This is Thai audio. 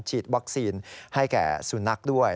ฉีดวัคซีนให้แก่สุนัขด้วย